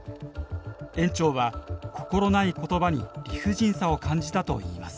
園長は心ない言葉に理不尽さを感じたといいます。